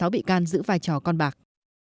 một mươi sáu bị can giữ vai trò con bạc